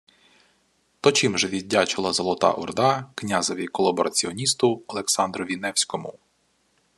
То чим же віддячила Золота Орда князеві-колабораціоністу Олександрові Невському?